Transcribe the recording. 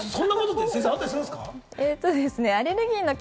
そんなことって先生、あったりするんですか？